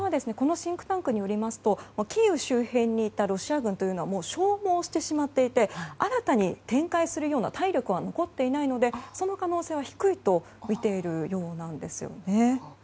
このシンクタンクによりますと、キーウ周辺にいたロシア軍というのは消耗してしまっていて新たに展開するような体力は残っていないのでその可能性は低いとみているということです。